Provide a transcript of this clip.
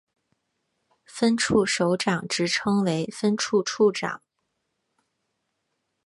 分处首长职称为分处处长。